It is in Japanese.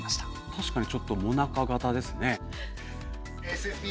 確かにちょっともなか型ですね。